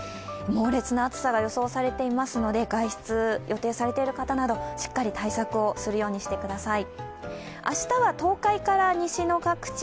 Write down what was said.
猛烈な暑さが予想されていますので、外出を予定されている方などしっかり対策をするようにしてください。